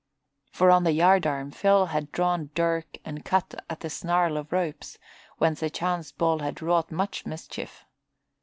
For on the yardarm Phil had drawn dirk and cut at the snarl of ropes, where a chance ball had wrought much mischief.